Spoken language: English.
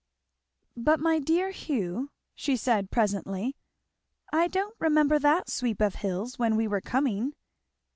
"But my dear Hugh," she said presently, "I don't remember that sweep of hills when we were coming?"